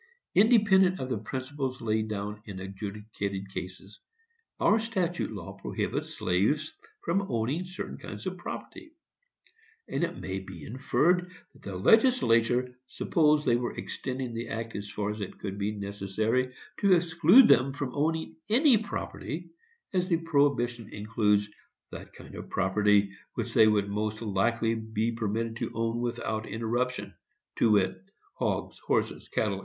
Independent of the principles laid down in adjudicated cases, our statute law prohibits slaves from owning certain kinds of property; and it may be inferred that the legislature supposed they were extending the act as far as it could be necessary to exclude them from owning any property, as the prohibition includes that kind of property which they would most likely be permitted to own without interruption, to wit, hogs, horses, cattle, &c.